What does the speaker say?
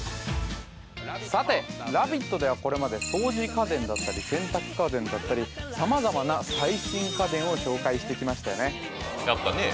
さて「ラヴィット！」ではこれまで掃除家電だったり洗濯家電だったり様々なしてきましたよね